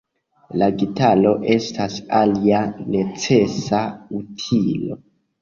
La gitaro estas alia necesa utilo.